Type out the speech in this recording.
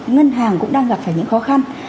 ngân hàng cũng đang gặp phải những khó khăn